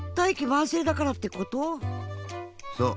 そう。